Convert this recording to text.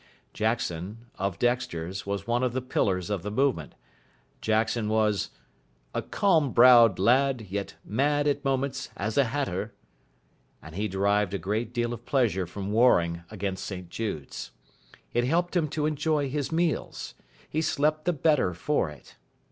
Jackson, of Dexter's was one of the pillars of the movement. Jackson was a calm brow'd lad, Yet mad, at moments, as a hatter, and he derived a great deal of pleasure from warring against St Jude's. It helped him to enjoy his meals. He slept the better for it.